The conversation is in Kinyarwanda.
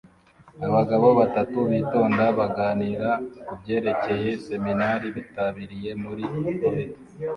Abagabo batatu bitonda baganira kubyerekeye seminari bitabiriye muri Floride